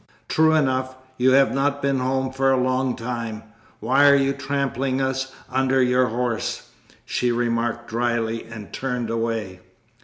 'True enough, you have not been home for a long time! Why are you trampling us under your horse?' she remarked dryly, and turned away.